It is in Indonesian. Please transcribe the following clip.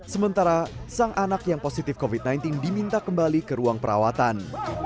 sementara sang anak yang positif covid sembilan belas diminta kembali ke ruang perawatan